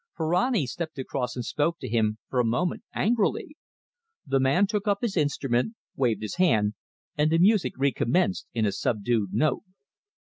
Ferrani stepped across and spoke to him for a moment angrily. The man took up his instrument, waved his hand, and the music re commenced in a subdued note.